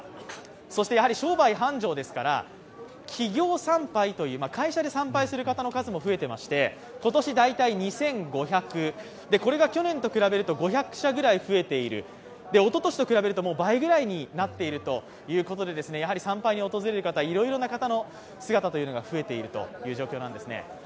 そして、やはり商売繁盛ですから、企業参拝という会社で参拝する方の数も増えていまして今年大体２５００、これが去年と比べると５００社ぐらい増えている、おととしと比べると倍ぐらいになっているということで参拝に訪れる方いろいろな方の姿が増えているということです。